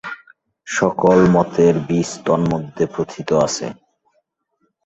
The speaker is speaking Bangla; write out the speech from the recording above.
সকল মতের বীজ তন্মধ্যে প্রোথিত আছে।